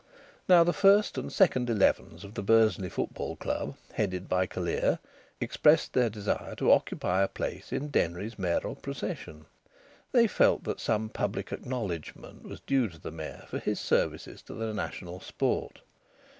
Now the first and second elevens of the Bursley Football Club, headed by Callear, expressed their desire to occupy a place in Denry's mayoral procession; they felt that some public acknowledgment was due to the Mayor for his services to the national sport.